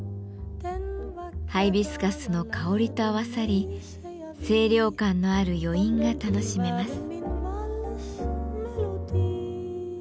ハイビスカスの香りと合わさり清涼感のある余韻が楽しめます。